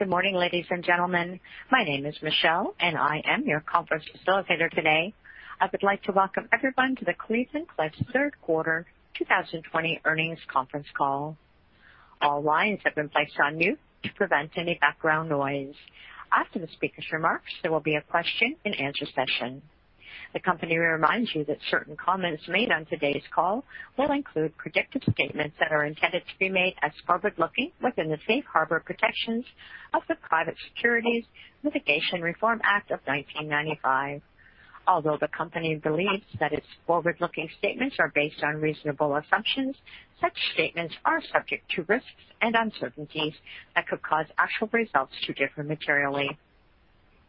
Good morning, ladies and gentlemen. My name is Michelle, and I am your conference facilitator today. I would like to welcome everyone to the Cleveland-Cliffs Third Quarter 2020 Earnings Conference Call. All lines have been placed on mute to prevent any background noise. After the speaker's remarks, there will be a question and answer session. The company reminds you that certain comments made on today's call will include predictive statements that are intended to be made as forward-looking within the safe harbor protections of the Private Securities Litigation Reform Act of 1995. Although the company believes that its forward-looking statements are based on reasonable assumptions, such statements are subject to risks and uncertainties that could cause actual results to differ materially.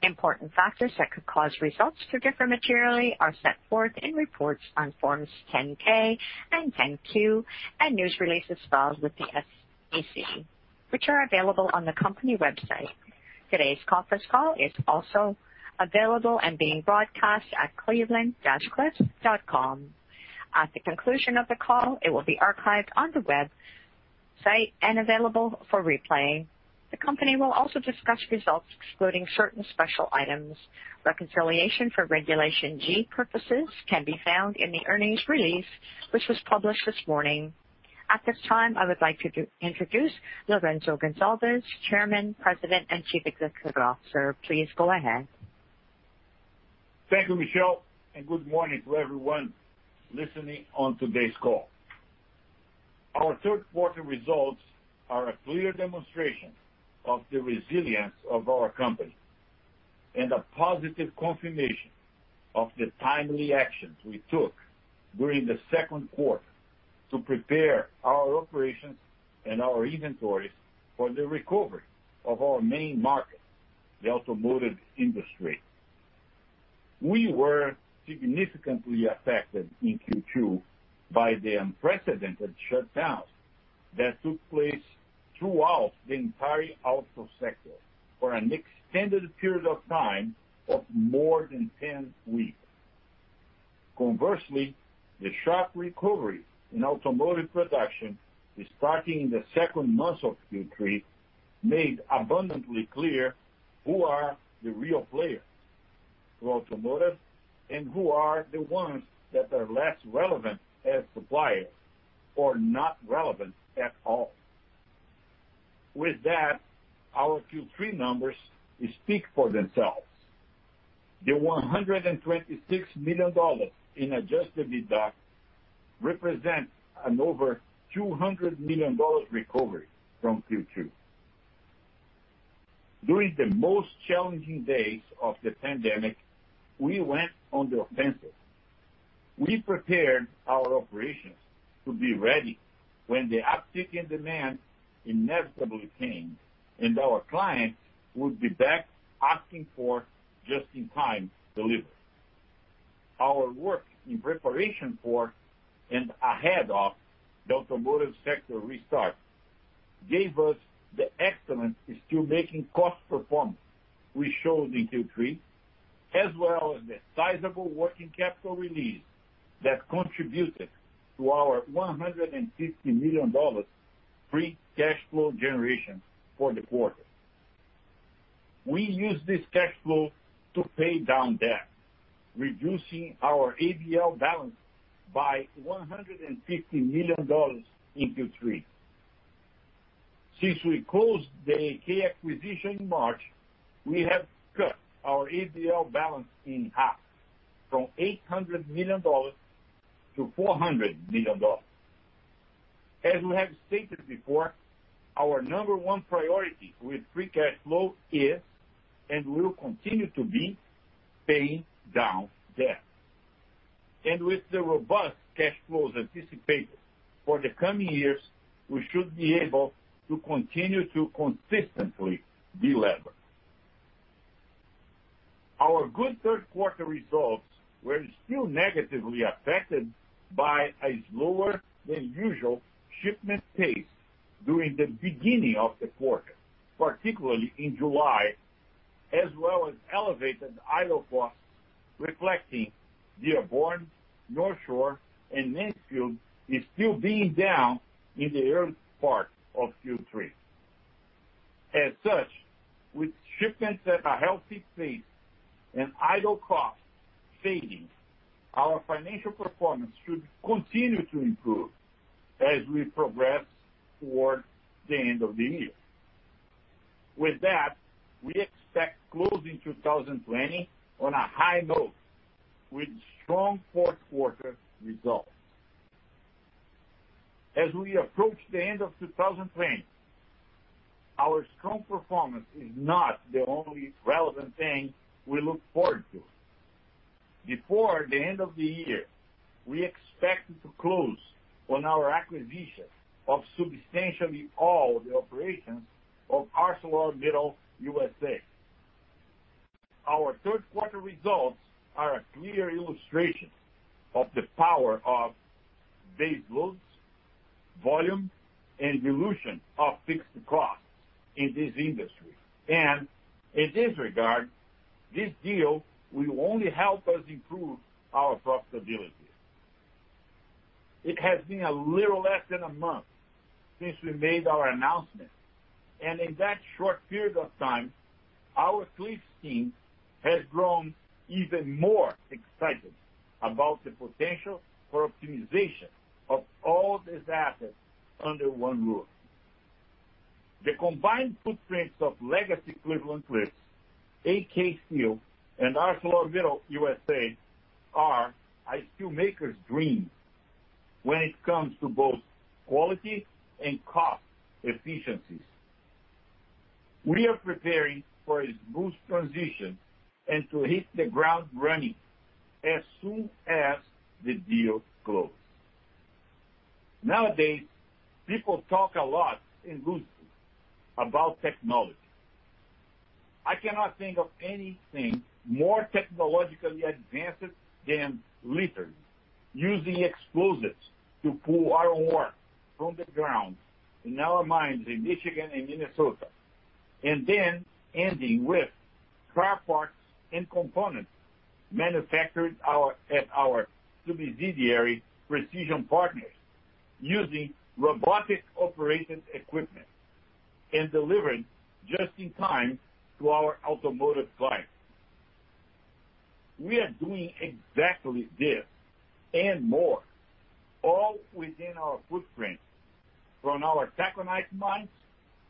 Important factors that could cause results to differ materially are set forth in reports on Forms 10-K and 10-Q and news releases filed with the SEC, which are available on the company website. Today's conference call is also available and being broadcast at cleveland-cliffs.com. At the conclusion of the call, it will be archived on the website and available for replay. The company will also discuss results excluding certain special items. Reconciliation for Regulation G purposes can be found in the earnings release, which was published this morning. At this time, I would like to introduce Lourenco Goncalves, Chairman, President, and Chief Executive Officer. Please go ahead. Thank you, Michelle, and good morning to everyone listening on today's call. Our third quarter results are a clear demonstration of the resilience of our company and a positive confirmation of the timely actions we took during the second quarter to prepare our operations and our inventories for the recovery of our main market, the automotive industry. We were significantly affected in Q2 by the unprecedented shutdown that took place throughout the entire auto sector for an extended period of time of more than 10 weeks. Conversely, the sharp recovery in automotive production starting in the second month of Q3 made abundantly clear who are the real players to automotive and who are the ones that are less relevant as suppliers or not relevant at all. With that, our Q3 numbers speak for themselves. The $126 million in adjusted EBITDA represents an over $200 million recovery from Q2. During the most challenging days of the pandemic, we went on the offensive. We prepared our operations to be ready when the uptick in demand inevitably came, and our clients would be back asking for just-in-time delivery. Our work in preparation for and ahead of the automotive sector restart gave us the excellent steelmaking cost performance we showed in Q3, as well as the sizable working capital release that contributed to our $150 million free cash flow generation for the quarter. We used this cash flow to pay down debt, reducing our ABL balance by $150 million in Q3. Since we closed the AK acquisition in March, we have cut our ABL balance in half, from $800 million-$400 million. As we have stated before, our number one priority with free cash flow is and will continue to be paying down debt. With the robust cash flows anticipated for the coming years, we should be able to continue to consistently delever. Our good third quarter results were still negatively affected by a slower than usual shipment pace during the beginning of the quarter, particularly in July, as well as elevated idle costs reflecting Dearborn, Northshore, and Mansfield still being down in the early part of Q3. As such, with shipments at a healthy pace and idle costs fading, our financial performance should continue to improve as we progress towards the end of the year. With that, we expect closing 2020 on a high note with strong fourth quarter results. As we approach the end of 2020, our strong performance is not the only relevant thing we look forward to. Before the end of the year, we expect to close on our acquisition of substantially all the operations of ArcelorMittal USA. Our third quarter results are a clear illustration of the power of base loads, volume, and dilution of fixed costs in this industry. In this regard, this deal will only help us improve our profitability. It has been a little less than one month since we made our announcement, and in that short period of time, our Cliffs team has grown even more excited about the potential for optimization of all these assets under one roof. The combined footprints of legacy Cleveland-Cliffs, AK Steel, and ArcelorMittal USA are a steel maker's dream when it comes to both quality and cost efficiencies. We are preparing for a smooth transition and to hit the ground running as soon as the deal closes. Nowadays, people talk a lot, and loosely, about technology. I cannot think of anything more technologically advanced than literally using explosives to pull iron ore from the ground in our mines in Michigan and Minnesota, and then ending with car parts and components manufactured at our subsidiary, Precision Partners, using robotic operated equipment and delivering just in time to our automotive clients. We are doing exactly this and more, all within our footprint. From our taconite mines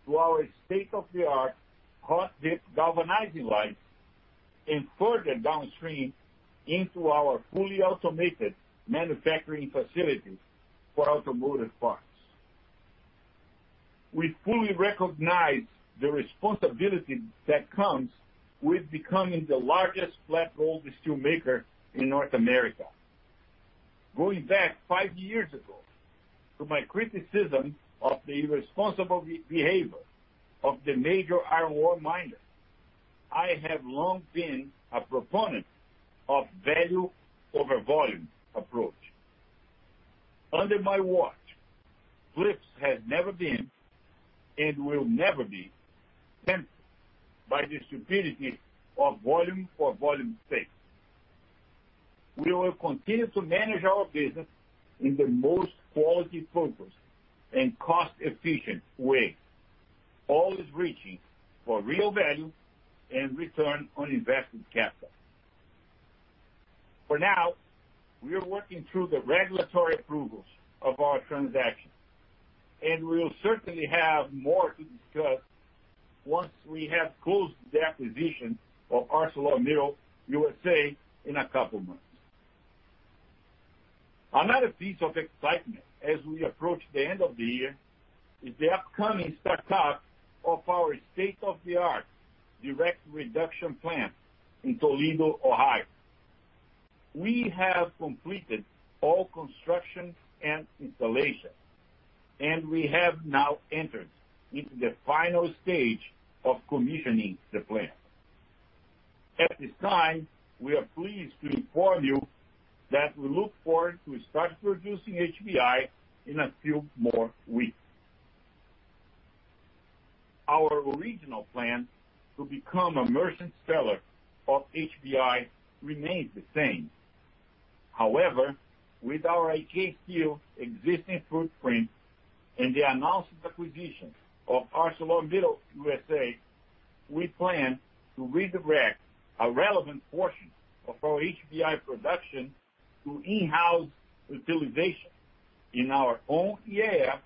to our state-of-the-art hot-dip galvanizing lines, and further downstream into our fully automated manufacturing facilities for automotive parts. We fully recognize the responsibility that comes with becoming the largest flat-rolled steel maker in North America. Going back five years ago to my criticism of the irresponsible behavior of the major iron ore miners, I have long been a proponent of value over volume approach. Under my watch, Cliffs has never been, and will never be, tempted by the stupidity of volume for volume sake. We will continue to manage our business in the most quality-focused and cost-efficient way, always reaching for real value and return on invested capital. For now, we are working through the regulatory approvals of our transaction, and we'll certainly have more to discuss once we have closed the acquisition of ArcelorMittal USA in a couple of months. Another piece of excitement as we approach the end of the year is the upcoming start-up of our state-of-the-art direct reduction plant in Toledo, Ohio. We have completed all construction and installation, and we have now entered into the final stage of commissioning the plant. At this time, we are pleased to inform you that we look forward to start producing HBI in a few more weeks. Our original plan to become a merchant seller of HBI remains the same. However, with our AK Steel existing footprint and the announced acquisition of ArcelorMittal USA, we plan to redirect a relevant portion of our HBI production to in-house utilization in our own EAF,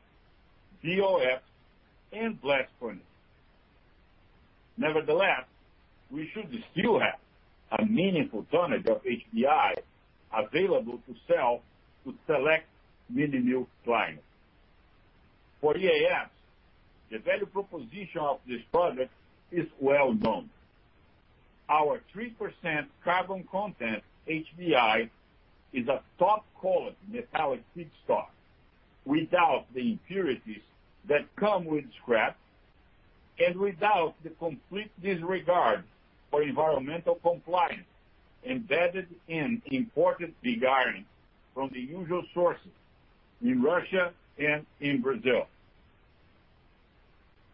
BOF, and blast furnace. Nevertheless, we should still have a meaningful tonnage of HBI available to sell to select mini mill clients. For EAFs, the value proposition of this product is well known. Our 3% carbon content HBI is a top-quality metallic feedstock, without the impurities that come with scrap and without the complete disregard for environmental compliance embedded in imported pig iron from the usual sources in Russia and in Brazil.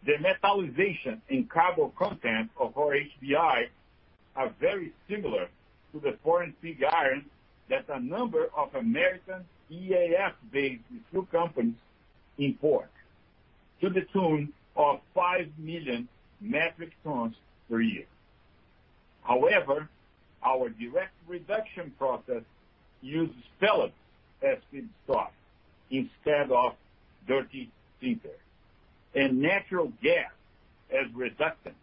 The metallization and carbon content of our HBI are very similar to the foreign pig iron that a number of American EAF-based steel companies import to the tune of five million metric tons per year. However, our direct reduction process uses pellets as feedstock instead of dirty sinter, and natural gas as reductant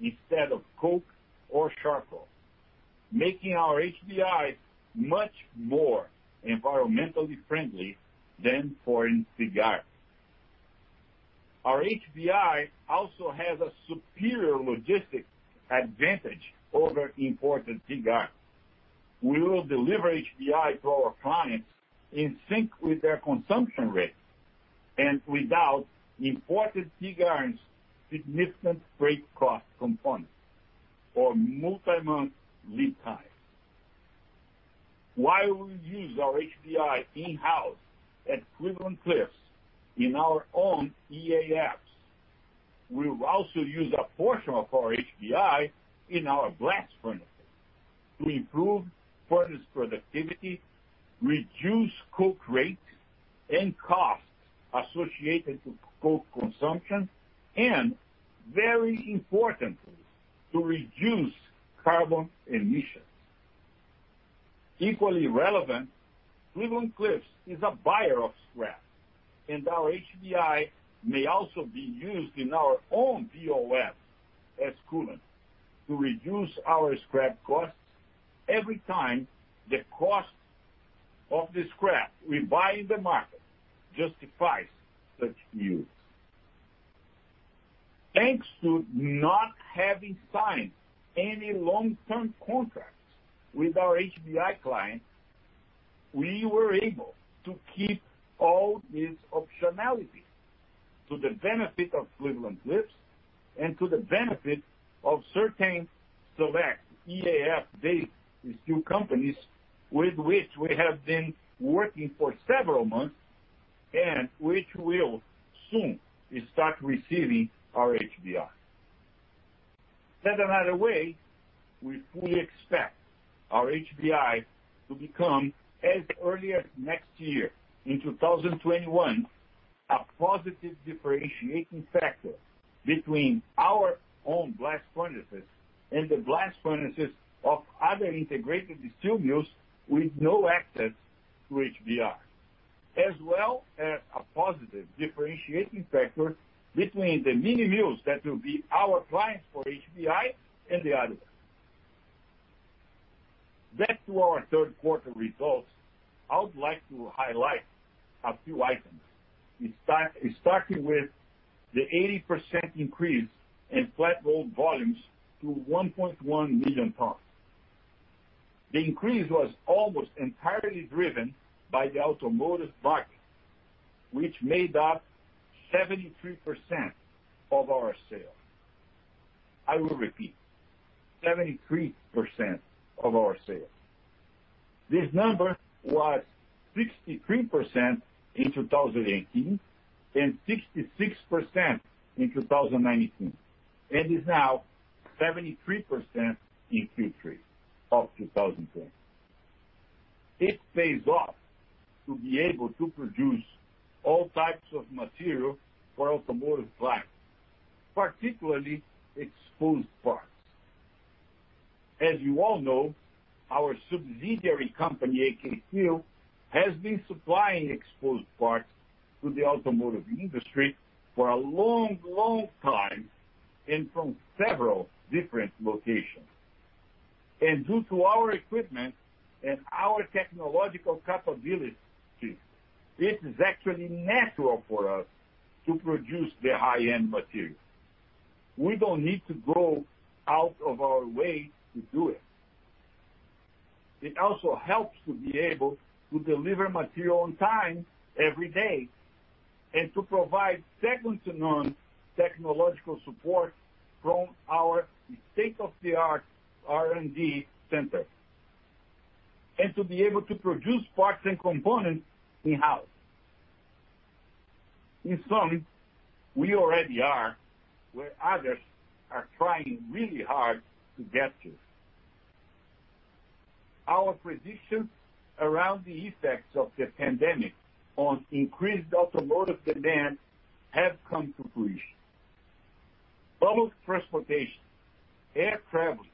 instead of coke or charcoal, making our HBI much more environmentally friendly than foreign pig iron. Our HBI also has a superior logistics advantage over imported pig iron. We will deliver HBI to our clients in sync with their consumption rates and without imported pig iron's significant freight cost component or multi-month lead times. While we use our HBI in-house at Cleveland-Cliffs in our own EAFs, we also use a portion of our HBI in our blast furnaces to improve furnace productivity, reduce coke rate and costs associated to coke consumption, and very importantly, to reduce carbon emissions. Equally relevant, Cleveland-Cliffs is a buyer of scrap, and our HBI may also be used in our own BOFs as coolant to reduce our scrap costs every time the cost of the scrap we buy in the market justifies such use. Thanks to not having signed any long-term contracts with our HBI clients, we were able to keep all these optionalities to the benefit of Cleveland-Cliffs and to the benefit of certain select EAF-based steel companies with which we have been working for several months, and which will soon start receiving our HBI. Said another way, we fully expect our HBI to become, as early as next year in 2021, a positive differentiating factor between our own blast furnaces and the blast furnaces of other integrated steel mills with no access to HBI. As well as a positive differentiating factor between the mini mills that will be our clients for HBI and the other ones. Back to our third quarter results, I would like to highlight a few items, starting with the 80% increase in flat rolled volumes to 1.1 million tons. The increase was almost entirely driven by the automotive market, which made up 73% of our sales. I will repeat, 73% of our sales. This number was 63% in 2018 and 66% in 2019. It is now 73% in Q3 of 2020. It pays off to be able to produce all types of material for automotive clients, particularly exposed parts. As you all know, our subsidiary company, AK Steel, has been supplying exposed parts to the automotive industry for a long time, and from several different locations. Due to our equipment and our technological capabilities, it is actually natural for us to produce the high-end material. We don't need to go out of our way to do it. It also helps to be able to deliver material on time every day, and to provide second-to-none technological support from our state-of-the-art R&D center. To be able to produce parts and components in-house. In summary, we already are where others are trying really hard to get to. Our predictions around the effects of the pandemic on increased automotive demand have come to fruition. Public transportation, air travel,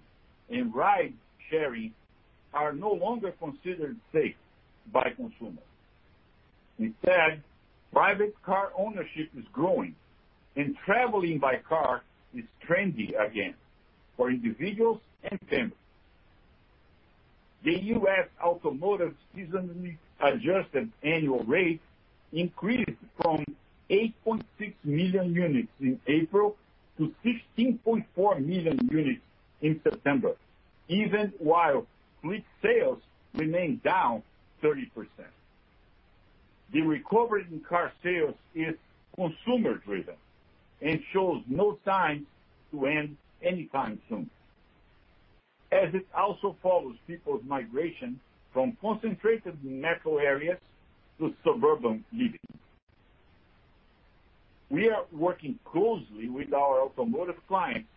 and ride sharing are no longer considered safe by consumers. Instead, private car ownership is growing, and traveling by car is trendy again for individuals and families. The U.S. automotive seasonally adjusted annual rate increased from 8.6 million units in April to 16.4 million units in September, even while fleet sales remain down 30%. The recovery in car sales is consumer driven and shows no signs to end anytime soon, as it also follows people's migration from concentrated metro areas to suburban living. We are working closely with our automotive clients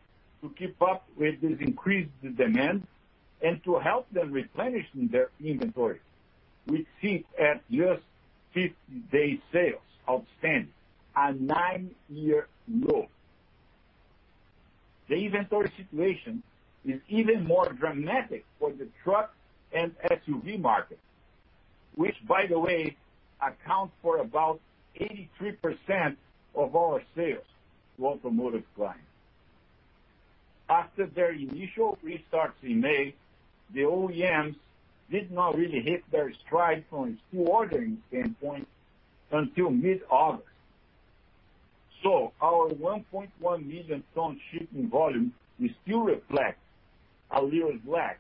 to keep up with this increased demand and to help them replenish their inventories, which sit at just 50 days sales outstanding, a nine-year low. The inventory situation is even more dramatic for the truck and SUV market, which by the way, accounts for about 83% of our sales to automotive clients. After their initial restarts in May, the OEMs did not really hit their stride from a steel ordering standpoint until mid-August. Our 1.1 million tons shipping volume still reflects a little lag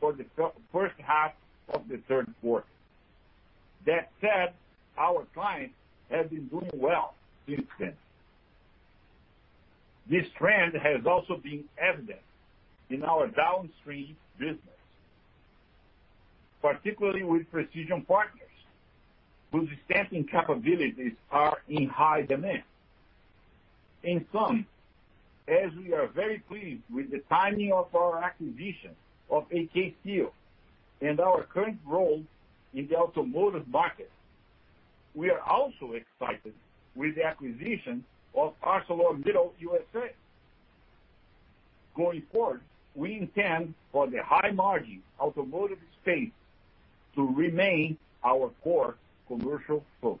for the first half of the third quarter. That said, our clients have been doing well since then. This trend has also been evident in our downstream business, particularly with Precision Partners, whose stamping capabilities are in high demand. In sum, as we are very pleased with the timing of our acquisition of AK Steel and our current role in the automotive market. We are also excited with the acquisition of ArcelorMittal USA. Going forward, we intend for the high margin automotive space to remain our core commercial focus.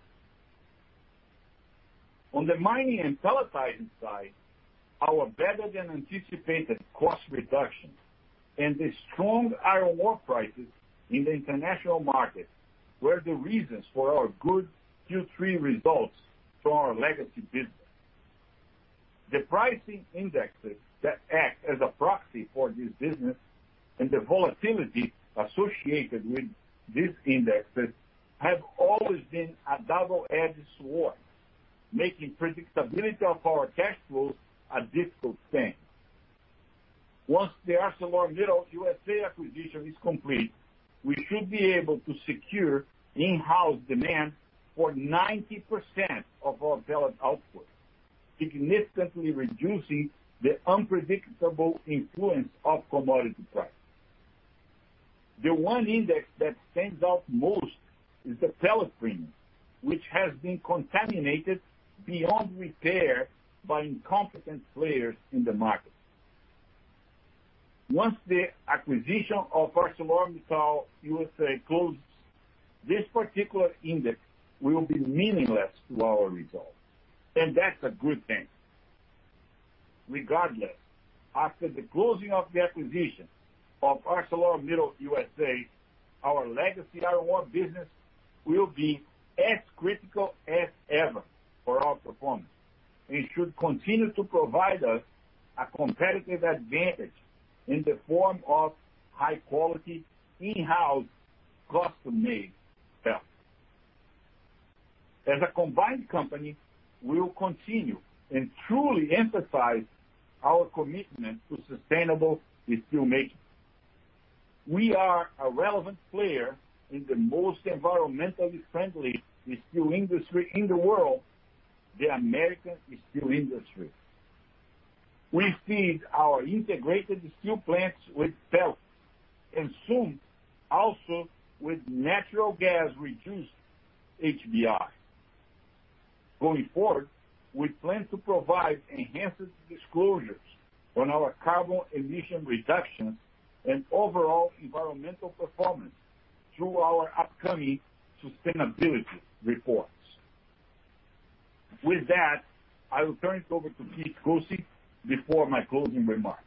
On the mining and pelletizing side, our better-than-anticipated cost reduction and the strong iron ore prices in the international market were the reasons for our good Q3 results from our legacy business. The pricing indexes that act as a proxy for this business and the volatility associated with these indexes have always been a double-edged sword, making predictability of our cash flows a difficult thing. Once the ArcelorMittal USA acquisition is complete, we should be able to secure in-house demand for 90% of our pellet output, significantly reducing the unpredictable influence of commodity prices. The one index that stands out most is the pellet premium, which has been contaminated beyond repair by incompetent players in the market. Once the acquisition of ArcelorMittal USA closes, this particular index will be meaningless to our results, and that's a good thing. Regardless, after the closing of the acquisition of ArcelorMittal USA, our legacy iron ore business will be as critical as ever for our performance. It should continue to provide us a competitive advantage in the form of high-quality, in-house, custom-made pellets. As a combined company, we will continue and truly emphasize our commitment to sustainable steelmaking. We are a relevant player in the most environmentally friendly steel industry in the world, the American steel industry. We feed our integrated steel plants with pellets, and soon, also, with natural gas-reduced HBI. Going forward, we plan to provide enhanced disclosures on our carbon emission reductions and overall environmental performance through our upcoming sustainability reports. With that, I will turn it over to Keith Koci before my closing remarks.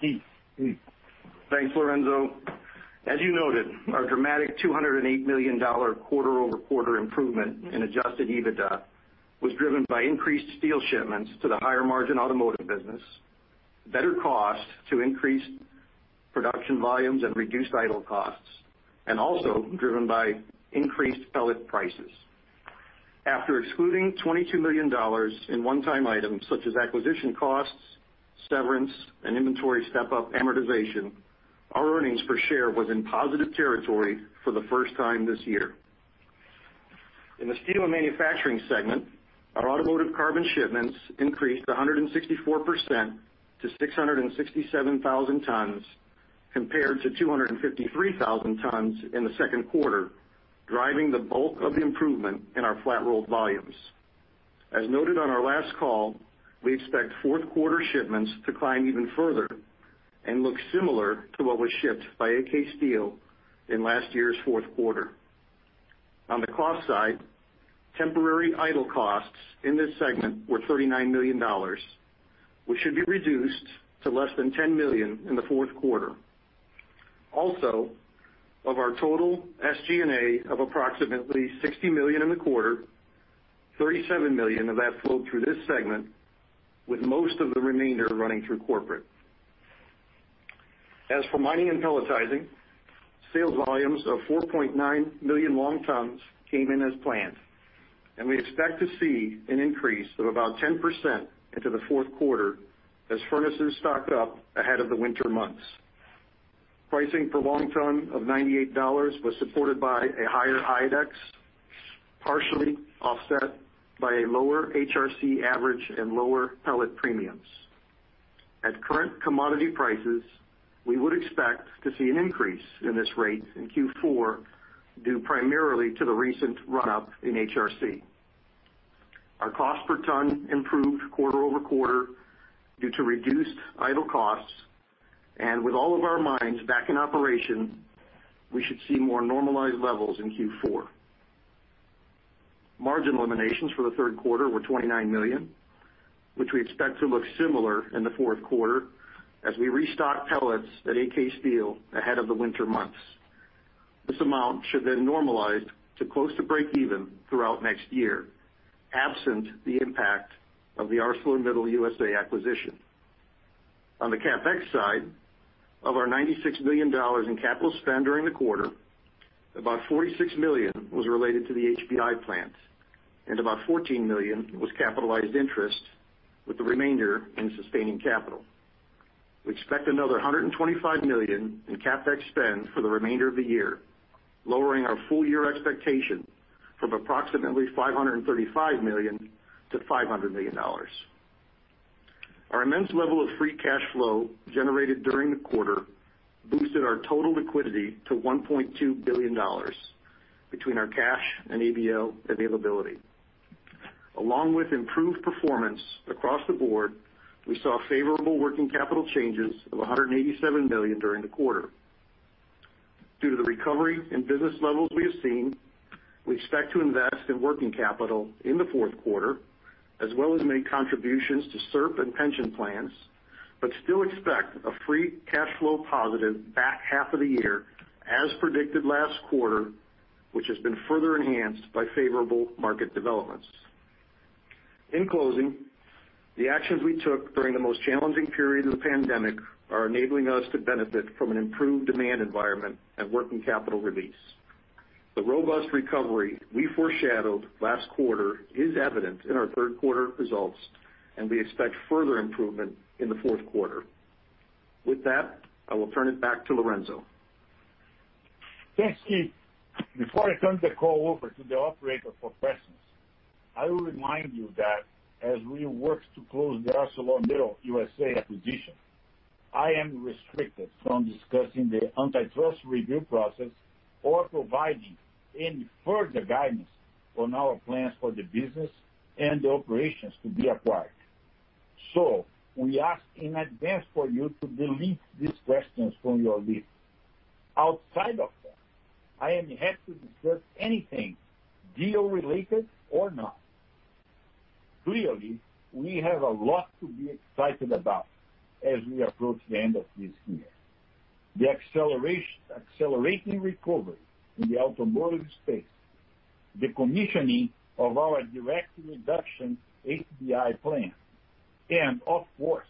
Keith, please. Thanks, Lourenco. As you noted, our dramatic $208 million quarter-over-quarter improvement in adjusted EBITDA was driven by increased steel shipments to the higher-margin automotive business, better cost to increase production volumes and reduce idle costs, and also driven by increased pellet prices. After excluding $22 million in one-time items such as acquisition costs, severance, and inventory step-up amortization, our earnings per share was in positive territory for the first time this year. In the steel manufacturing segment, our automotive carbon shipments increased 164% to 667,000 tons, compared to 253,000 tons in the second quarter, driving the bulk of the improvement in our flat rolled volumes. As noted on our last call, we expect fourth quarter shipments to climb even further and look similar to what was shipped by AK Steel in last year's fourth quarter. On the cost side, temporary idle costs in this segment were $39 million, which should be reduced to less than $10 million in the fourth quarter. Of our total SG&A of approximately $60 million in the quarter, $37 million of that flowed through this segment, with most of the remainder running through corporate. As for mining and pelletizing, sales volumes of 4.9 million long tons came in as planned, and we expect to see an increase of about 10% into the fourth quarter as furnaces stocked up ahead of the winter months. Pricing per long ton of $98 was supported by a higher IODEX, partially offset by a lower HRC average and lower pellet premiums. At current commodity prices, we would expect to see an increase in this rate in Q4, due primarily to the recent run-up in HRC. Our cost per ton improved quarter-over-quarter due to reduced idle costs. With all of our mines back in operation, we should see more normalized levels in Q4. Margin eliminations for the third quarter were $29 million, which we expect to look similar in the fourth quarter as we restock pellets at AK Steel ahead of the winter months. This amount should normalize to close to breakeven throughout next year, absent the impact of the ArcelorMittal USA acquisition. On the CapEx side, of our $96 million in capital spend during the quarter, about $46 million was related to the HBI plant, and about $14 million was capitalized interest, with the remainder in sustaining capital. We expect another $125 million in CapEx spend for the remainder of the year, lowering our full year expectation from approximately $535 million-$500 million. Our immense level of free cash flow generated during the quarter boosted our total liquidity to $1.2 billion between our cash and ABL availability. Along with improved performance across the board, we saw favorable working capital changes of $187 million during the quarter. Due to the recovery in business levels we have seen, we expect to invest in working capital in the fourth quarter, as well as make contributions to SERP and pension plans, but still expect a free cash flow positive back half of the year, as predicted last quarter, which has been further enhanced by favorable market developments. In closing, the actions we took during the most challenging period of the pandemic are enabling us to benefit from an improved demand environment and working capital release. The robust recovery we foreshadowed last quarter is evident in our third quarter results, and we expect further improvement in the fourth quarter. With that, I will turn it back to Lourenco. Thanks, Keith. Before I turn the call over to the operator for questions, I will remind you that as we work to close the ArcelorMittal USA acquisition, I am restricted from discussing the antitrust review process or providing any further guidance on our plans for the business and the operations to be acquired. We ask in advance for you to delete these questions from your list. Outside of that, I am happy to discuss anything deal related or not. Clearly, we have a lot to be excited about as we approach the end of this year. The accelerating recovery in the automotive space, the commissioning of our direct reduction HBI plant, and of course,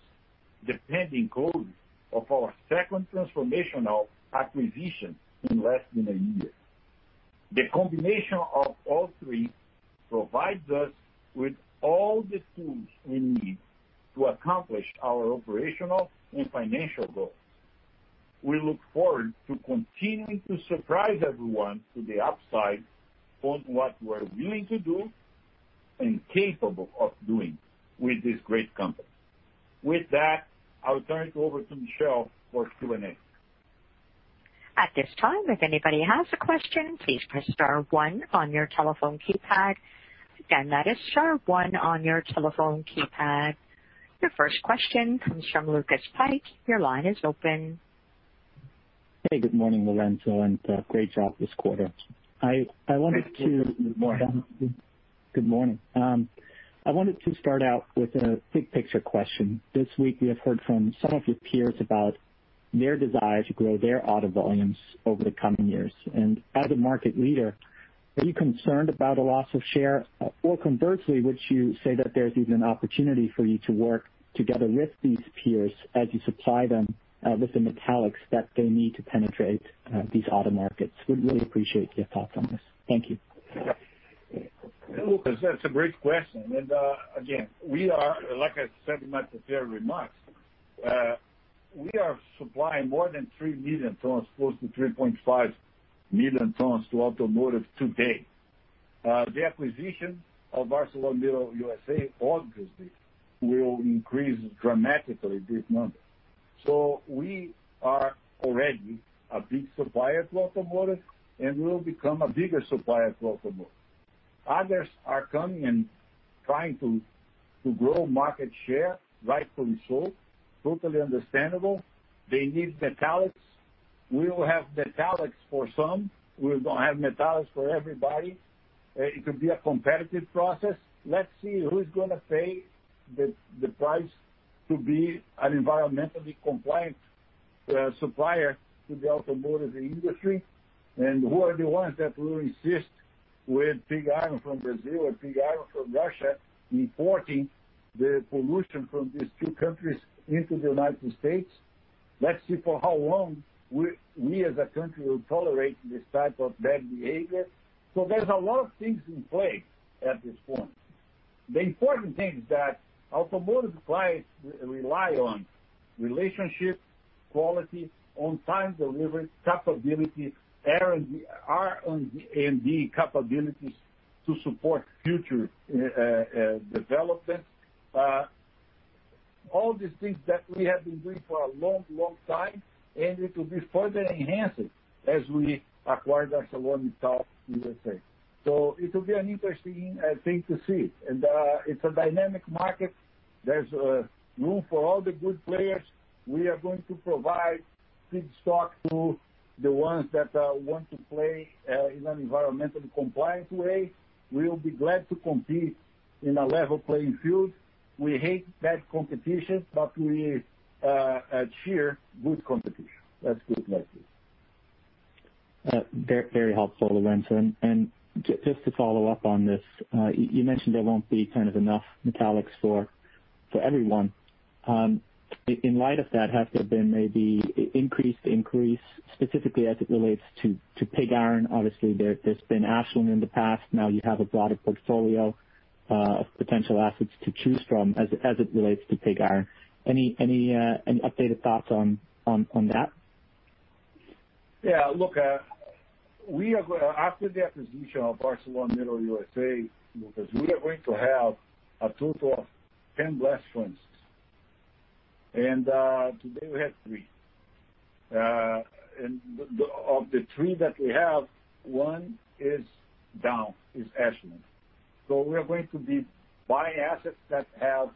the pending closure of our second transformational acquisition in less than a year. The combination of all three provides us with all the tools we need to accomplish our operational and financial goals. We look forward to continuing to surprise everyone to the upside on what we are willing to do and capable of doing with this great company. With that, I will turn it over to Michelle for Q&A. At this time, if anybody has a question, please press star one on your telephone keypad. Again, that is star one on your telephone keypad. Your first question comes from Lucas Pipes. Your line is open. Hey, good morning, Lourenco, and great job this quarter. Thank you. Good morning. Good morning. I wanted to start out with a big picture question. This week we have heard from some of your peers about their desire to grow their auto volumes over the coming years. As a market leader, are you concerned about a loss of share? Conversely, would you say that there's even an opportunity for you to work together with these peers as you supply them with the metallics that they need to penetrate these auto markets? Would really appreciate your thoughts on this? Thank you. Lucas, that's a great question. Again, like I said in my prepared remarks, we are supplying more than 3 million tons, close to 3.5 million tons to automotive today. The acquisition of ArcelorMittal USA obviously will increase dramatically this number. We are already a big supplier to automotive and will become a bigger supplier to automotive. Others are coming and trying to grow market share, rightfully so, totally understandable. They need metallics. We will have metallics for some. We're going to have metallics for everybody. It will be a competitive process. Let's see who's going to pay the price to be an environmentally compliant supplier to the automotive industry, and who are the ones that will insist with pig iron from Brazil or pig iron from Russia, importing the pollution from these two countries into the U.S. Let's see for how long we as a country will tolerate this type of bad behavior. There's a lot of things in play at this point. The important thing is that automotive clients rely on relationships, quality, on-time delivery, capability, R&D capabilities to support future developments. All these things that we have been doing for a long time, it will be further enhanced as we acquire ArcelorMittal USA. It will be an interesting thing to see. It's a dynamic market. There's room for all the good players. We are going to provide feedstock to the ones that want to play in an environmentally compliant way. We'll be glad to compete in a level playing field. We hate bad competition, we cheer good competition. That's good, Lucas. Very helpful, Lourenco. Just to follow up on this, you mentioned there won't be enough metallics for everyone. In light of that, has there been maybe increased specifically as it relates to pig iron? Obviously, there's been Ashland in the past. Now you have a broader portfolio of potential assets to choose from as it relates to pig iron. Any updated thoughts on that? Look, after the acquisition of ArcelorMittal USA, Lucas, we are going to have a total of 10 blast furnaces. Today we have three. Of the three that we have, one is down, is Ashland. We are going to be buying assets that have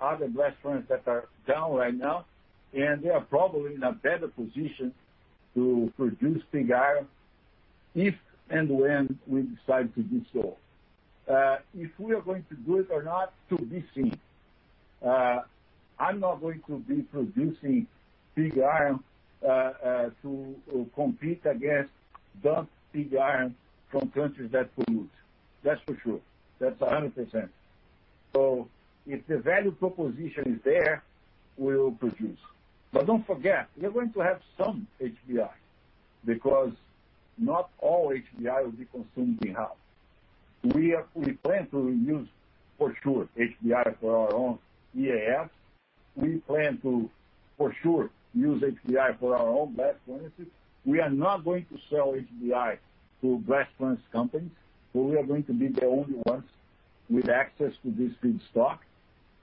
other blast furnaces that are down right now, and they are probably in a better position to produce pig iron if and when we decide to do so. If we are going to do it or not, to be seen. I'm not going to be producing pig iron to compete against dump pig iron from countries that pollute. That's for sure. That's 100%. If the value proposition is there, we will produce. Don't forget, we are going to have some HBI, because not all HBI will be consumed in-house. We plan to use, for sure, HBI for our own EAF. We plan to, for sure, use HBI for our own blast furnaces. We are not going to sell HBI to blast furnace companies, so we are going to be the only ones with access to this feedstock.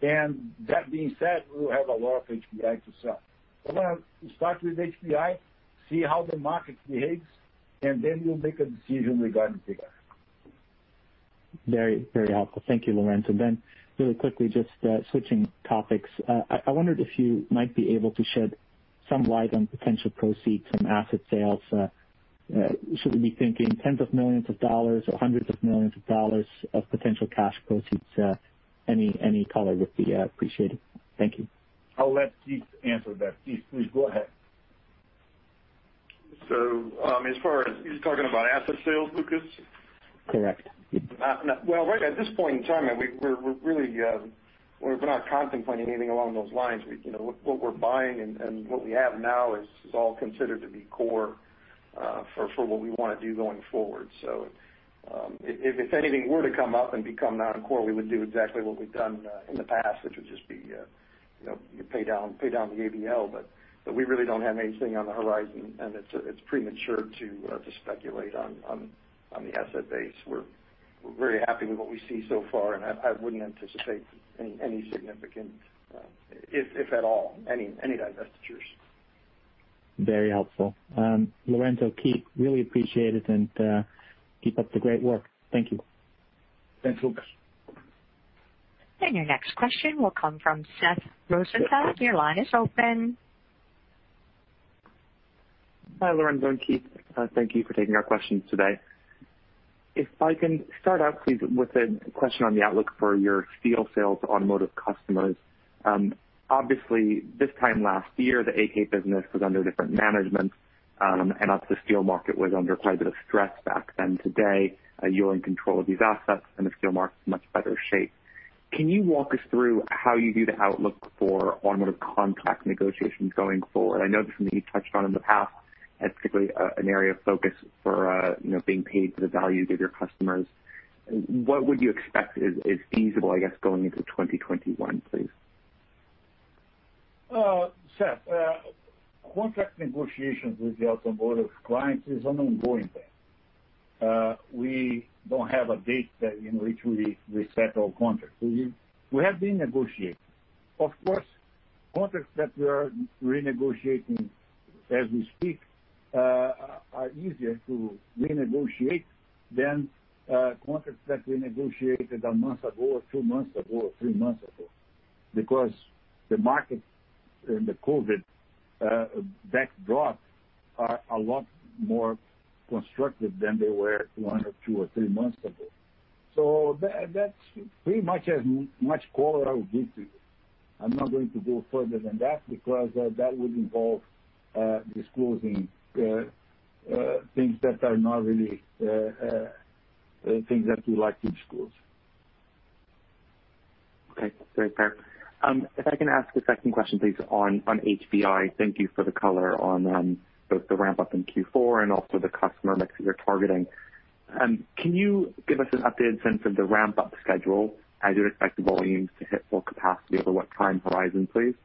That being said, we will have a lot of HBI to sell. We're going to start with HBI, see how the market behaves, and then we'll make a decision regarding pig iron. Very helpful. Thank you, Lourenco. Really quickly, just switching topics. I wondered if you might be able to shed some light on potential proceeds from asset sales. Should we be thinking tens of millions or hundreds of millions of potential cash proceeds? Any color would be appreciated? Thank you. I'll let Keith answer that. Keith, please go ahead. Are you talking about asset sales, Lucas? Correct. Right at this point in time, we're not contemplating anything along those lines. What we're buying and what we have now is all considered to be core, for what we want to do going forward. If anything were to come up and become non-core, we would do exactly what we've done in the past, which would just be pay down the ABL. We really don't have anything on the horizon, and it's premature to speculate on the asset base. We're very happy with what we see so far, and I wouldn't anticipate any significant, if at all, any divestitures. Very helpful. Lourenco, Keith, really appreciate it and keep up the great work. Thank you. Thanks, Lucas. Your next question will come from Seth Rosenfeld. Your line is open. Hi, Lourenco and Keith. Thank you for taking our questions today. If I can start out, please, with a question on the outlook for your steel sales automotive customers. Obviously, this time last year, the AK business was under different management, the steel market was under quite a bit of stress back then. Today, you're in control of these assets, the steel market's in much better shape. Can you walk us through how you view the outlook for automotive contract negotiations going forward? I know this is something you touched on in the past as particularly an area of focus for being paid for the value you give your customers. What would you expect is feasible, I guess, going into 2021, please? Seth, contract negotiations with the automotive clients is an ongoing thing. We don't have a date in which we reset our contracts. We have been negotiating. Of course, contracts that we are renegotiating as we speak are easier to renegotiate than contracts that we negotiated a month ago or two months ago or three months ago because the market and the COVID backdrops are a lot more constructive than they were one or two or three months ago. That's pretty much as much color I will give to you. I'm not going to go further than that because that would involve disclosing things that are not really things that we like to disclose. Okay, fair. If I can ask a second question, please, on HBI. Thank you for the color on both the ramp-up in Q4 and also the customer mix that you're targeting. Can you give us an updated sense of the ramp-up schedule as you expect volumes to hit full capacity over what time horizon, please?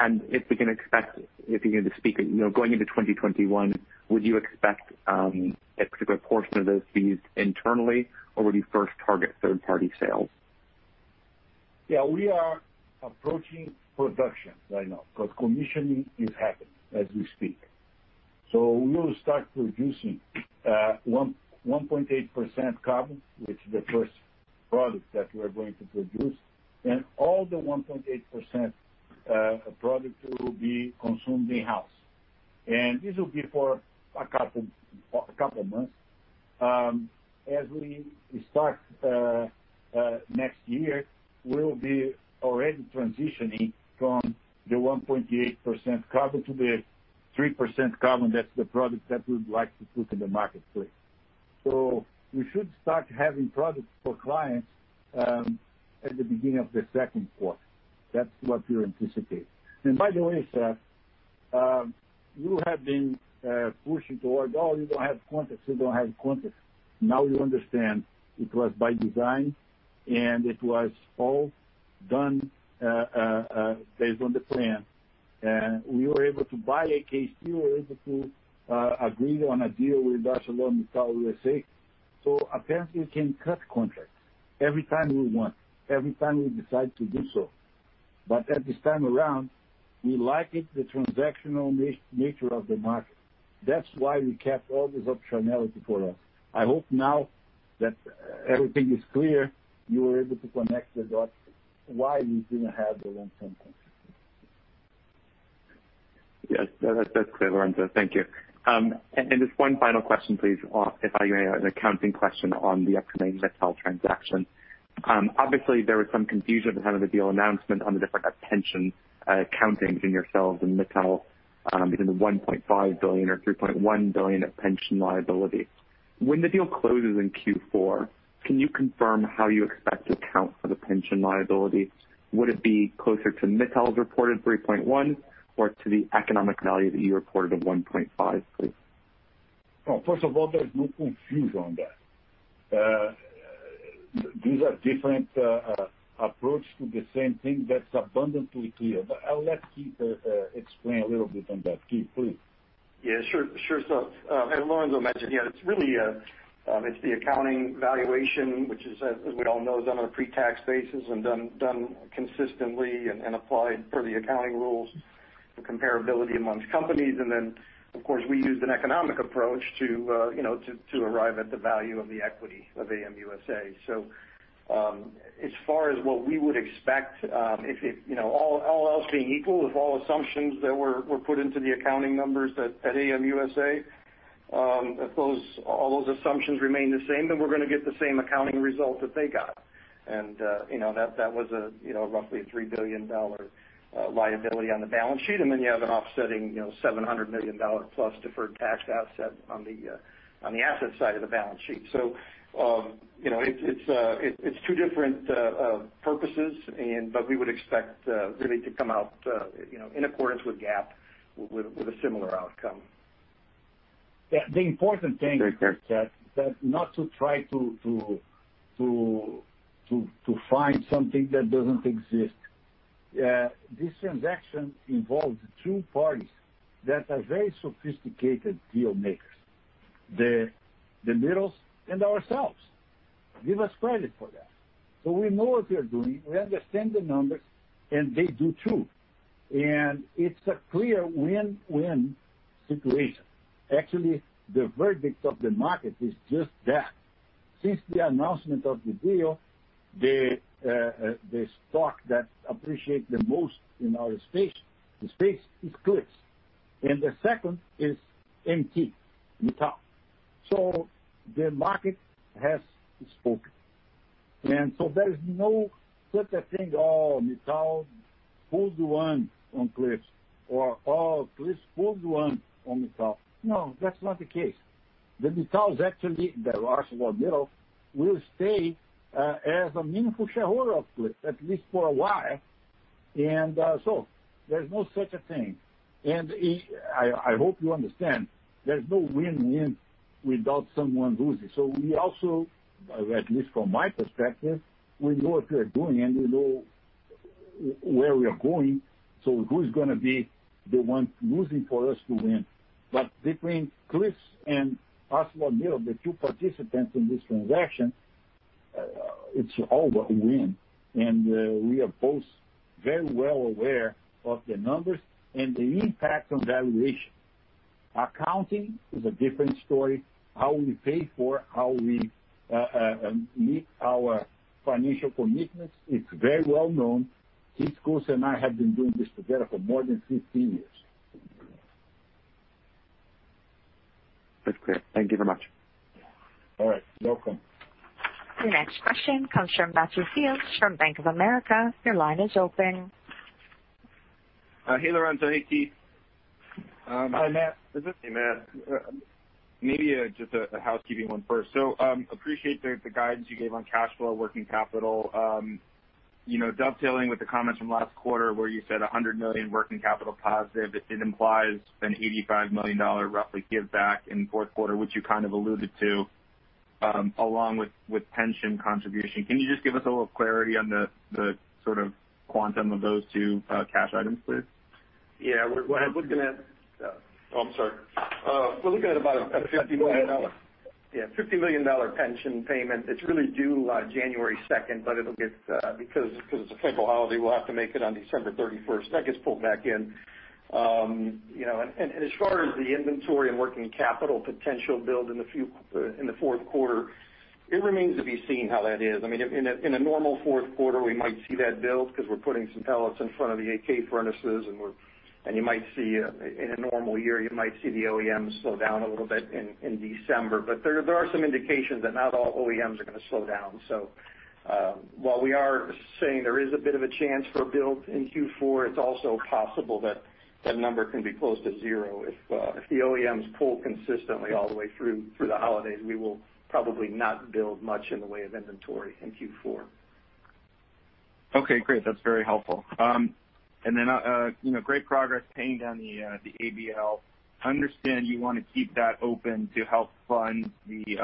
If we can expect, if you can speak, going into 2021, would you expect a particular portion of those to be used internally, or would you first target third-party sales? Yeah, we are approaching production right now because commissioning is happening as we speak. We will start producing 1.8% carbon, which is the first product that we are going to produce, and all the 1.8% product will be consumed in-house. This will be for a couple months. As we start next year, we'll be already transitioning from the 1.8% carbon to the 3% carbon. That's the product that we'd like to put in the marketplace. We should start having products for clients at the beginning of the second quarter. That's what we anticipate. By the way, Seth, you have been pushing towards, "Oh, you don't have contracts. You don't have contracts." Now you understand it was by design, and it was all done based on the plan. We were able to buy AK Steel, we were able to agree on a deal with ArcelorMittal USA. Apparently, we can cut contracts every time we want, every time we decide to do so. This time around, we liked the transactional nature of the market. That's why we kept all this optionality for us. I hope now that everything is clear, you are able to connect the dots why we didn't have the long-term contract. Yes. That's clear, Lourenco. Thank you. Just one final question, please, if I may, an accounting question on the upcoming ArcelorMittal transaction. Obviously, there was some confusion at the time of the deal announcement on the different pension accounting between yourselves and ArcelorMittal, between the $1.5 billion or $3.1 billion of pension liability. When the deal closes in Q4, can you confirm how you expect to account for the pension liability? Would it be closer to ArcelorMittal's reported $3.1 or to the economic value that you reported of $1.5, please? First of all, there's no confusion on that. These are different approach to the same thing. That's abundantly clear. I'll let Keith explain a little bit on that. Keith, please. Yeah, sure. As Lourenco mentioned, it's the accounting valuation, which is, as we all know, done on a pre-tax basis and done consistently and applied per the accounting rules for comparability amongst companies. Of course, we used an economic approach to arrive at the value of the equity of AM USA. As far as what we would expect, all else being equal, if all assumptions that were put into the accounting numbers at AM USA, if all those assumptions remain the same, we are going to get the same accounting result that they got. That was roughly a $3 billion liability on the balance sheet. You have an offsetting +$700 million deferred tax asset on the asset side of the balance sheet. It's two different purposes, but we would expect really to come out in accordance with GAAP, with a similar outcome. Yeah. Very clear. Seth, that not to try to find something that doesn't exist. This transaction involves two parties that are very sophisticated deal-makers, the Mittals and ourselves. Give us credit for that. We know what we are doing, we understand the numbers, and they do too. It's a clear win-win situation. Actually, the verdict of the market is just that. Since the announcement of the deal, the stock that appreciate the most in our space is Cliffs, and the second is MT, Mittal. The market has spoken. There is no such a thing, "Oh, Mittal pulled one on Cliffs," or, "Oh, Cliffs pulled one on Mittal." No, that's not the case. The Mittals actually, the ArcelorMittal, will stay as a meaningful shareholder of Cliffs, at least for a while. There's no such a thing. I hope you understand there's no win-win without someone losing. We also, at least from my perspective, we know what we are doing, and we know where we are going. Who's going to be the one losing for us to win? Between Cliffs and ArcelorMittal, the two participants in this transaction, it's all a win. We are both very well aware of the numbers and the impact on valuation. Accounting is a different story. How we pay for, how we meet our financial commitments, it's very well known. Keith Koci and I have been doing this together for more than 15 years. That's clear. Thank you very much. All right. Welcome. Your next question comes from Matthew Fields from Bank of America. Your line is open. Hey, Lourenco. Hey, Keith. Hi, Matt. Is it? Hey, Matt. Maybe just a housekeeping one first. Appreciate the guidance you gave on cash flow, working capital. Dovetailing with the comments from last quarter where you said $100 million working capital positive, it implies an $85 million roughly give back in fourth quarter, which you kind of alluded to, along with pension contribution. Can you just give us a little clarity on the sort of quantum of those two cash items, please? Yeah. We're looking at about a $50 million pension payment. It's really due on January 2nd, because it's a federal holiday, we'll have to make it on December 31st. That gets pulled back in. As far as the inventory and working capital potential build in the fourth quarter, it remains to be seen how that is. In a normal fourth quarter, we might see that build because we're putting some pellets in front of the AK furnaces. You might see, in a normal year, you might see the OEMs slow down a little bit in December. There are some indications that not all OEMs are going to slow down. While we are saying there is a bit of a chance for a build in Q4, it's also possible that that number can be close to zero. If the OEMs pull consistently all the way through the holidays, we will probably not build much in the way of inventory in Q4. Okay, great. That's very helpful. Great progress paying down the ABL. Understand you want to keep that open to help fund the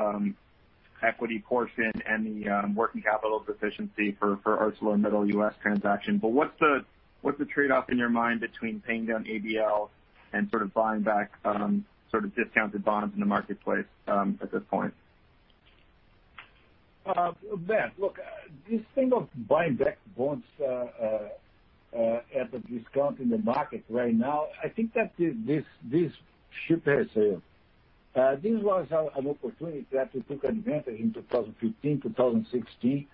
equity portion and the working capital deficiency for ArcelorMittal US transaction. What's the trade-off in your mind between paying down ABL and sort of buying back discounted bonds in the marketplace at this point? Matt, look, this thing of buying back bonds at a discount in the market right now, I think that this ship has sailed. This was an opportunity that we took advantage in 2015, 2016,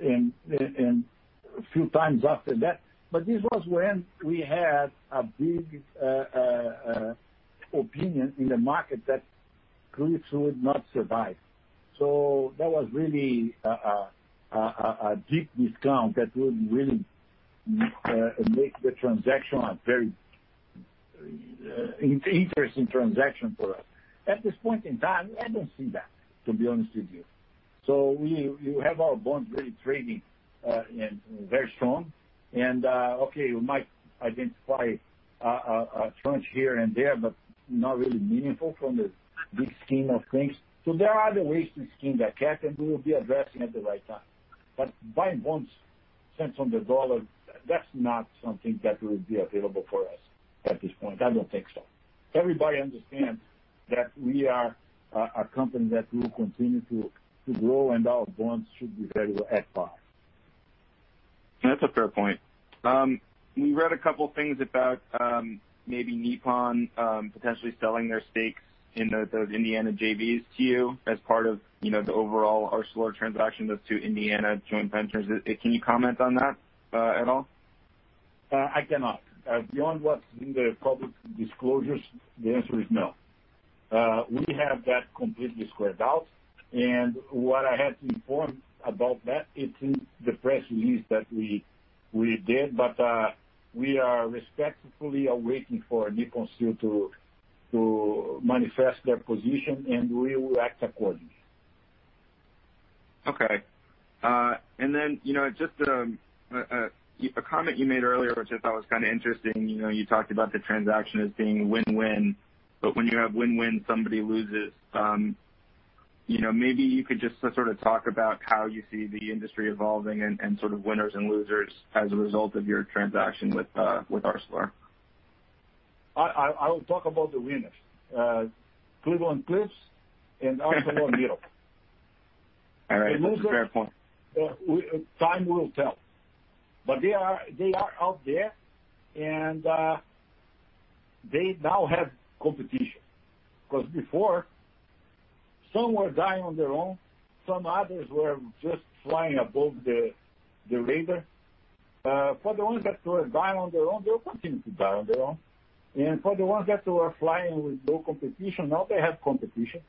and a few times after that. This was when we had a big opinion in the market that Cliffs would not survive. That was really a deep discount that would really make the transaction a very interesting transaction for us. At this point in time, I don't see that, to be honest with you. We have our bonds really trading and very strong, and okay, you might identify a tranche here and there, but not really meaningful from the big scheme of things. There are other ways to skin that cat, and we will be addressing at the right time. Buying bonds cents on the dollar, that's not something that will be available for us at this point. I don't think so. Everybody understands that we are a company that will continue to grow, and our bonds should be valued at par. That's a fair point. We read a couple things about maybe Nippon potentially selling their stakes in those Indiana JVs to you as part of the overall Arcelor transaction, those two Indiana joint ventures. Can you comment on that at all? I cannot. Beyond what's in the public disclosures, the answer is no. We have that completely squared out, and what I have to inform about that, it's in the press release that we did, but we are respectfully awaiting for Nippon Steel to manifest their position, and we will act accordingly. Okay. Then, just a comment you made earlier, which I thought was kind of interesting. You talked about the transaction as being win-win, but when you have win-win, somebody loses. Maybe you could just sort of talk about how you see the industry evolving and sort of winners and losers as a result of your transaction with Arcelor? I will talk about the winners. Cleveland-Cliffs and ArcelorMittal. All right. That's a fair point. Time will tell. They are out there, and they now have competition. Before, some were dying on their own, some others were just flying above the radar. For the ones that were dying on their own, they will continue to die on their own. For the ones that were flying with no competition, now they have competition.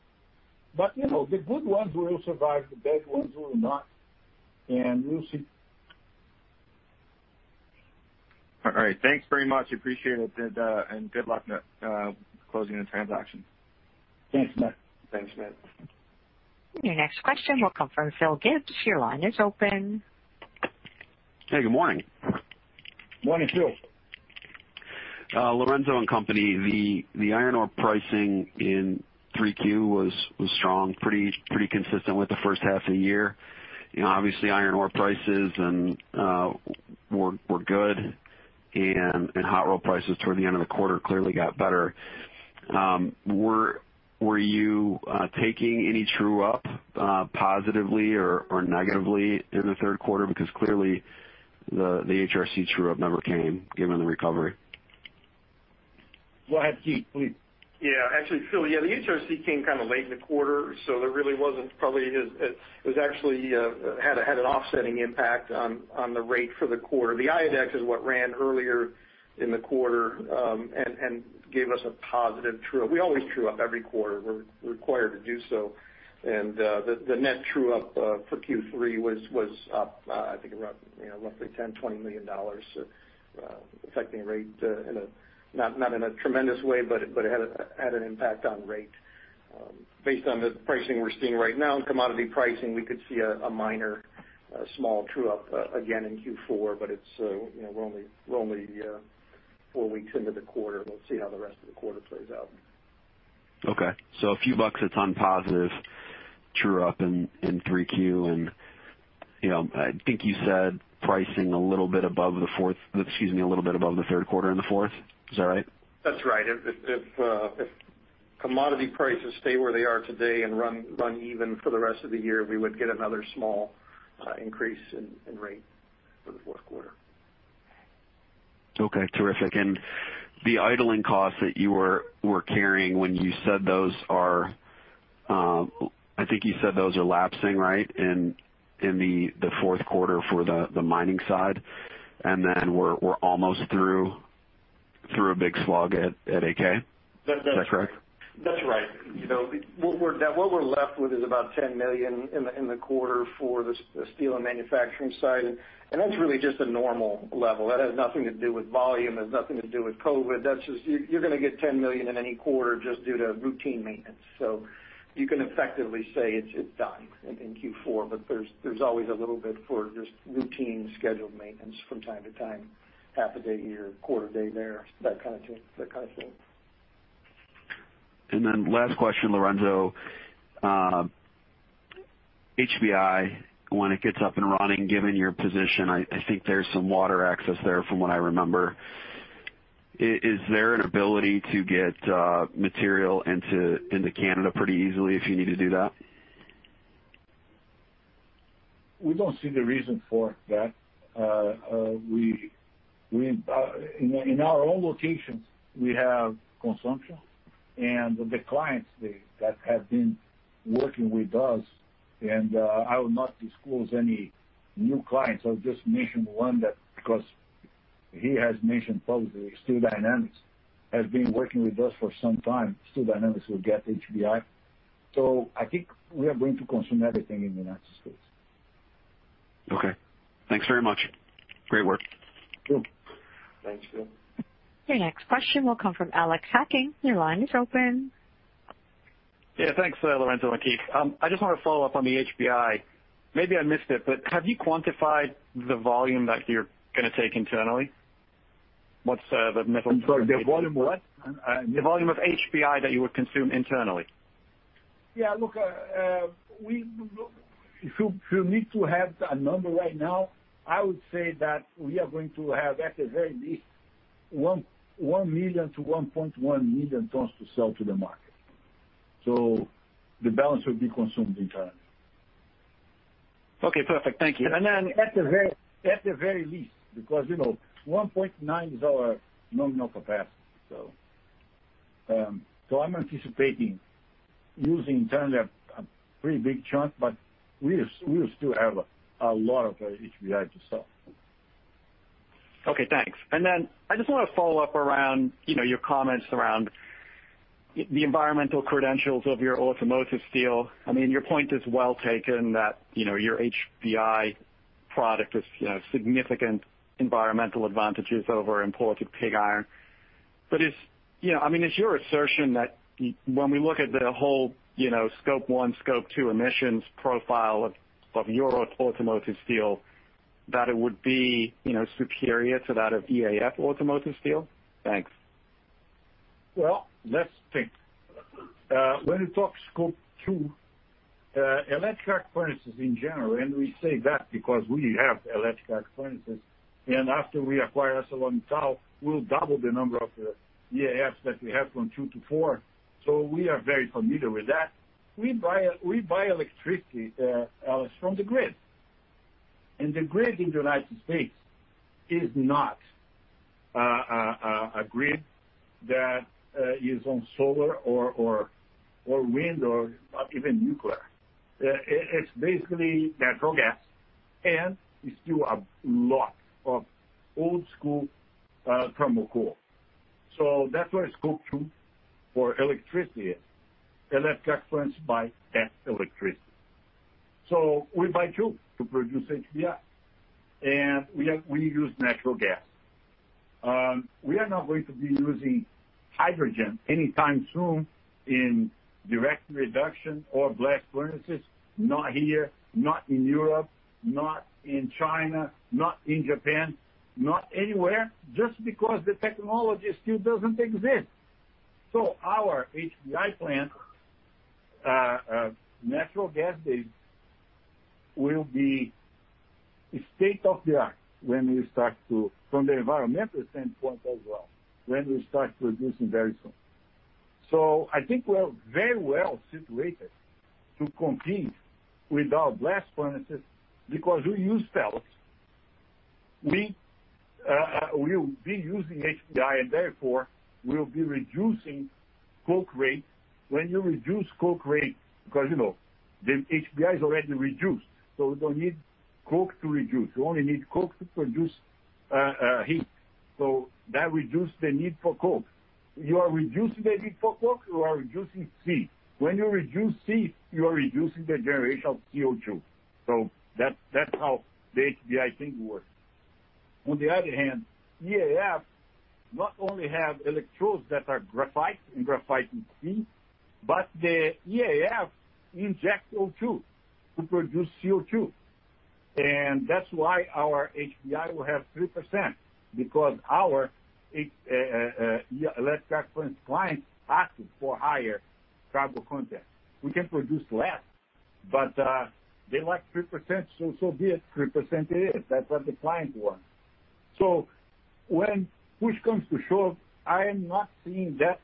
The good ones will survive, the bad ones will not, and we'll see. All right. Thanks very much. Appreciate it. Good luck closing the transaction. Thanks, Matt. Thanks, Matt. Your next question will come from Phil Gibbs. Your line is open. Hey, good morning. Morning, Phil. Lourenco and company, the iron ore pricing in 3Q was strong, pretty consistent with the first half of the year. Obviously, iron ore prices were good, and hot roll prices toward the end of the quarter clearly got better. Were you taking any true-up positively or negatively in the third quarter? Clearly the HRC true-up never came, given the recovery. Go ahead, Keith, please. Yeah. Actually, Phil, yeah, the HRC came kind of late in the quarter. It actually had an offsetting impact on the rate for the quarter. The IODEX is what ran earlier in the quarter, and gave us a positive true-up. We always true up every quarter. We're required to do so. The net true up for Q3 was up, I think, roughly $10 million-$20 million. It's affecting rate not in a tremendous way, but it had an impact on rate. Based on the pricing we're seeing right now and commodity pricing, we could see a minor small true up again in Q4, but we're only four weeks into the quarter. We'll see how the rest of the quarter plays out. Okay. A few bucks a ton positive true-up in 3Q, and I think you said pricing a little bit above the fourth, excuse me, a little bit above the third quarter and the fourth. Is that right? That's right. If commodity prices stay where they are today and run even for the rest of the year, we would get another small increase in rate for the fourth quarter. Okay, terrific. The idling costs that you were carrying when I think you said those are lapsing, right, in the fourth quarter for the mining side, and then we're almost through a big slog at AK. Is that correct? That's right. What we're left with is about $10 million in the quarter for the steel and manufacturing side, and that's really just a normal level. That has nothing to do with volume, has nothing to do with COVID. That's just you're going to get $10 million in any quarter just due to routine maintenance. You can effectively say it's done in Q4, but there's always a little bit for just routine scheduled maintenance from time to time, half a day here, quarter day there, that kind of thing. Last question, Lourenco. HBI, when it gets up and running, given your position, I think there's some water access there from what I remember. Is there an ability to get material into Canada pretty easily if you need to do that? We don't see the reason for that. In our own locations, we have consumption, and the clients that have been working with us, and I will not disclose any new clients, I'll just mention one that, because he has mentioned publicly, Steel Dynamics, has been working with us for some time. Steel Dynamics will get HBI. I think we are going to consume everything in the United States. Okay. Thanks very much. Great work. Sure. Thanks, Phil. Your next question will come from Alex Hacking. Your line is open. Yeah. Thanks, Lourenco and Keith. I just want to follow up on the HBI. Maybe I missed it, but have you quantified the volume that you're going to take internally? I'm sorry, the volume what? The volume of HBI that you would consume internally. Yeah, look, if you need to have a number right now, I would say that we are going to have, at the very least, 1 million-1.1 million tons to sell to the market. The balance will be consumed internally. Okay, perfect. Thank you. At the very least, because 1.9 is our nominal capacity. I'm anticipating using internally a pretty big chunk, but we'll still have a lot of HBI to sell. Okay, thanks. I just want to follow up around your comments around the environmental credentials of your automotive steel. Your point is well taken that your HBI product has significant environmental advantages over imported pig iron. Is your assertion that when we look at the whole Scope 1, Scope 2 emissions profile of your automotive steel, that it would be superior to that of EAF automotive steel? Thanks. Well, let's think. When you talk Scope 2, electric arc furnaces in general, and we say that because we have electric arc furnaces, and after we acquire ArcelorMittal, we'll double the number of EAFs that we have from two to four. We are very familiar with that. We buy electricity, Alex, from the grid. The grid in the U.S. is not a grid that is on solar or wind or even nuclear. It's basically natural gas and still a lot of old school thermal coal. That's what Scope 2 for electricity is. Electric arc furnace by that electricity. We buy [chu] to produce HBI, and we use natural gas. We are not going to be using hydrogen anytime soon in direct reduction or blast furnaces, not here, not in Europe, not in China, not in Japan, not anywhere, just because the technology still doesn't exist. Our HBI plant, natural gas-based will be state-of-the-art when we start from the environmental standpoint as well, when we start producing very soon. I think we're very well situated to compete with our blast furnaces because we use pellets. We will be using HBI and therefore will be reducing coke rate. When you reduce coke rate, because the HBI is already reduced, so we don't need coke to reduce. We only need coke to produce heat. That reduce the need for coke. You are reducing the need for coke, you are reducing C. When you reduce C, you are reducing the generation of CO2. That's how the HBI thing works. On the other hand, EAF not only have electrodes that are graphite and C, but the EAF inject O2 to produce CO2. That's why our HBI will have 3%, because our electric arc furnace clients asking for higher carbon content. We can produce less, they like 3%, so be it. 3% it is. That's what the client wants. When push comes to shove, I am not seeing that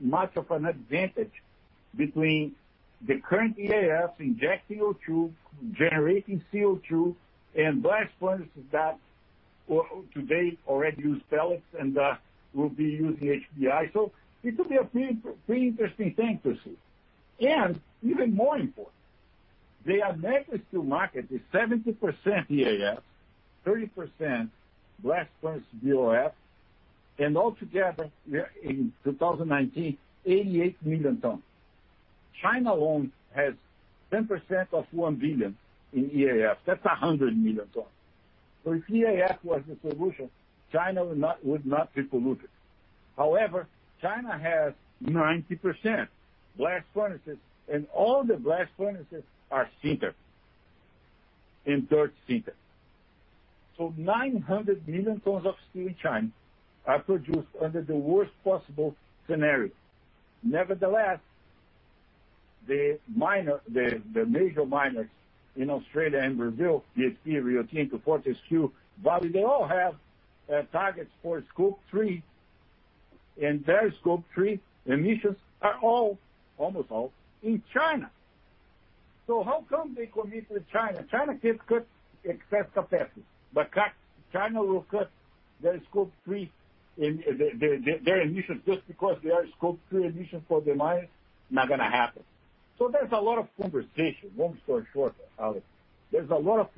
much of an advantage between the current EAF, inject CO2, generating CO2, and blast furnaces that today already use pellets and will be using HBI. It will be a pretty interesting thing to see. Even more important, the average steel market is 70% EAF, 30% blast furnace BOF, and all together, in 2019, 88 million tons. China alone has 10% of one billion in EAF. That's 100 million tons. If EAF was the solution, China would not be polluted. However, China has 90% blast furnaces, and all the blast furnaces are sinter. Indirect sinter. So, 900 million tons of steel in China are produced under the worst possible scenario. Nevertheless, the major miners in Australia and Brazil, BHP, Rio Tinto, Fortescue Metals Group, they all have targets for Scope 3, and their Scope 3 emissions are all, almost all, in China. How come they commit to China? China can cut excess capacity. China will cut their Scope 3, their emissions, just because their Scope 3 emissions for the miners. Not going to happen. There's a lot of conversation. Long story short, Alex, there's a lot of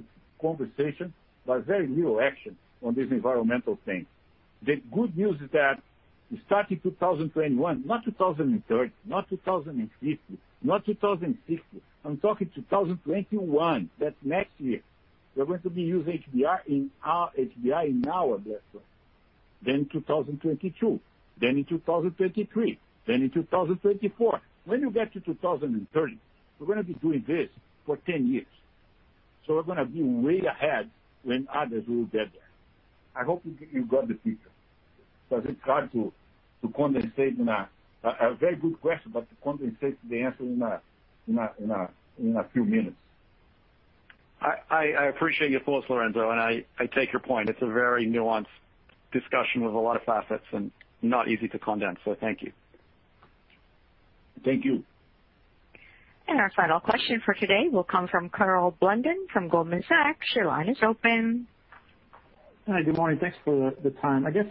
conversation, but very little action on these environmental things. The good news is that starting 2021, not 2030, not 2050, not 2060. I'm talking 2021. That's next year. We're going to be using HBI in our blast furnace. 2022, then in 2023, then in 2024. When you get to 2030, we're going to be doing this for 10 years. We're going to be way ahead when others will get there. I hope you got the picture. It's hard to condense in a very good question, but to condense the answer in a few minutes. I appreciate your thoughts, Lourenco, and I take your point. It's a very nuanced discussion with a lot of facets and not easy to condense. Thank you. Thank you. Our final question for today will come from Karl Blunden from Goldman Sachs. Your line is open. Hi, good morning. Thanks for the time. I guess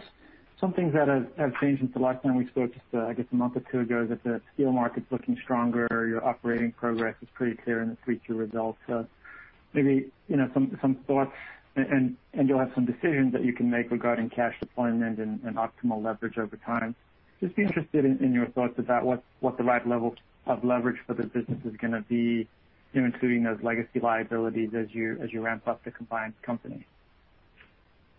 some things that have changed since the last time we spoke, just I guess a month or two ago, that the steel market's looking stronger, your operating progress is pretty clear in the 3Q results. Maybe some thoughts, and you'll have some decisions that you can make regarding cash deployment and optimal leverage over time. Just interested in your thoughts about what the right level of leverage for the business is going to be, including those legacy liabilities as you ramp up the combined company.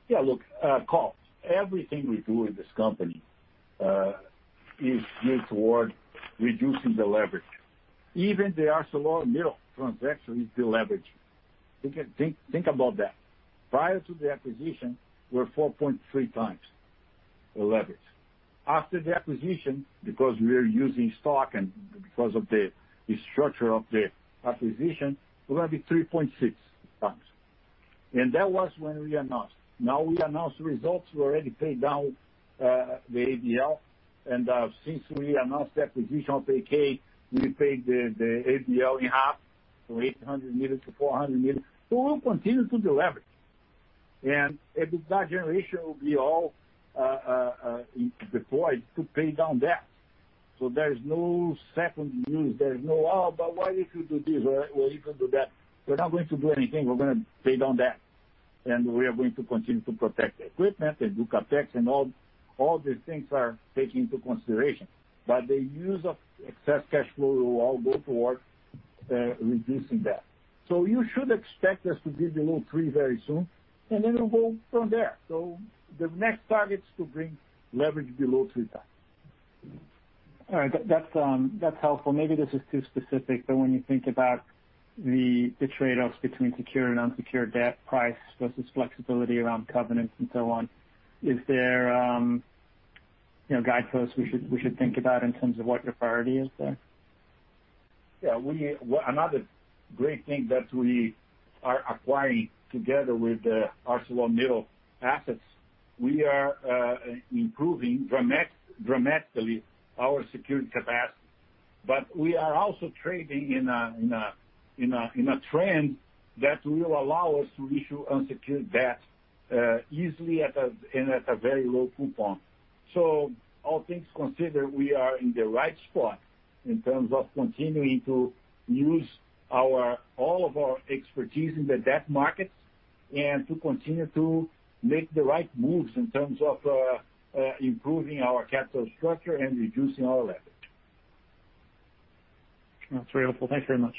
Yeah, look, Karl, everything we do in this company is geared toward reducing the leverage. Even the ArcelorMittal transaction is deleveraging. Think about that. Prior to the acquisition, we're 4.3 times the leverage. After the acquisition, because we're using stock and because of the structure of the acquisition, we're going to be 3.6 times. That was when we announced. Now we announced the results. We already paid down the ABL. Since we announced the acquisition of AK, we paid the ABL in half from $800 million-$400 million. We'll continue to deleverage. EBITDA generation will be all deployed to pay down debt. There is no second use. There is no, "Oh, but what if you do this? What if you do that?" We're not going to do anything. We're going to pay down debt. We are going to continue to protect the equipment and do CapEx and all these things are taken into consideration. The use of excess cash flow will all go towards reducing debt. You should expect us to be below three very soon, and then we'll go from there. The next target is to bring leverage below three times. All right. That's helpful. Maybe this is too specific, but when you think about the trade-offs between secured and unsecured debt price versus flexibility around covenants and so on, is there guideposts we should think about in terms of what your priority is there? Yeah. Another great thing that we are acquiring together with the ArcelorMittal assets, we are improving dramatically our security capacity. We are also trading in a trend that will allow us to issue unsecured debt easily and at a very low coupon. All things considered, we are in the right spot in terms of continuing to use all of our expertise in the debt markets and to continue to make the right moves in terms of improving our capital structure and reducing our leverage. That's very helpful. Thank you very much.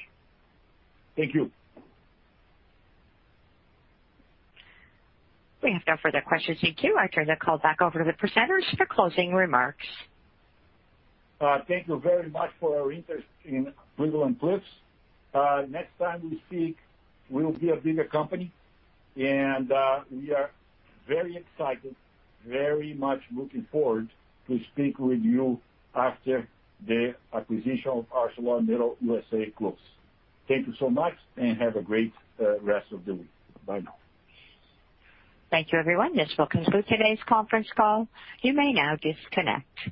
Thank you. We have no further questions in queue. I turn the call back over to the presenters for closing remarks. Thank you very much for your interest in Cleveland-Cliffs. Next time we speak, we'll be a bigger company. We are very excited, very much looking forward to speak with you after the acquisition of ArcelorMittal USA closes. Thank you so much, and have a great rest of the week. Bye now. Thank you, everyone. This will conclude today's conference call. You may now disconnect.